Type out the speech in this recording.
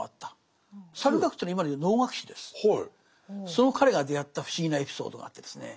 その彼が出会った不思議なエピソードがあってですね